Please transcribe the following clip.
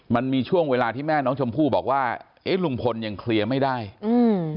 มันมีช่วงเวลาที่แม่น้องชมพู่บอกว่าเอ๊ะลุงพลยังเคลียร์ไม่ได้อืม